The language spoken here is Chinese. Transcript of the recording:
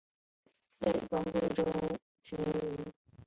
累官贵州巡抚。